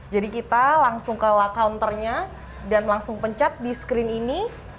jadi kita langsung ke counternya dan langsung pencet di screen ini